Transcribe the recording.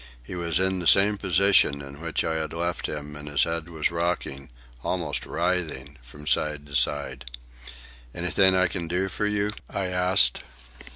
He was in the same position in which I had left him, and his head was rocking—almost writhing—from side to side. "Anything I can do for you?" I asked.